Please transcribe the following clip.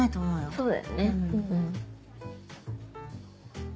そうだよねうん。